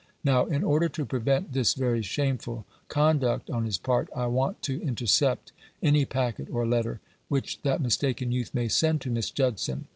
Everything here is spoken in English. Now, in order to prevent this very shameful conduct on his part, I want to intercept any packet or letter which that mistaken youth may send to Miss Judson.